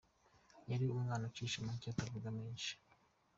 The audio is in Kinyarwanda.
Yari umwana ucisha make utavuga menshi.